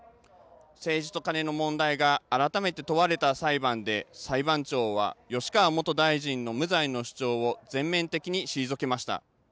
政治とカネの問題が改めて問われた裁判で裁判長は吉川元大臣の無罪の主張を全面的に退けました。